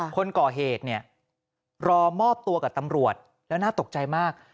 คนก่อเหตุเนี่ยรอมอบตัวกับตำรวจแล้วน่าตกใจมาก